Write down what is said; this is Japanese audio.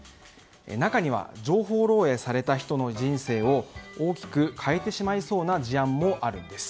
中には情報漏洩された人の人生を大きく変えてしまいそうな事案もあるんです。